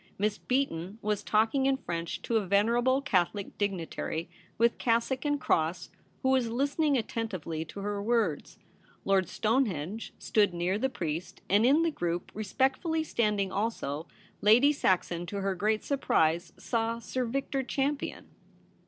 Miss Beaton was talking in French to a venerable Catholic dignitary with cassock and cross, who was listening attentively to her words. Lord Stonehenge stood near the priest, and in the group, re spectfully standing also, Lady Saxon, to her great surprise, saw Sir Victor Champion.